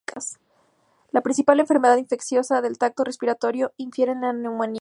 La principal enfermedad infecciosa del tracto respiratorio inferior es la neumonía.